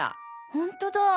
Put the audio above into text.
ホントだ。